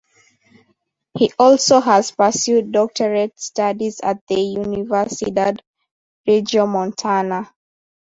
He also has pursued doctorate studies at the Universidad Regiomontana.